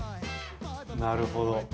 なるほど。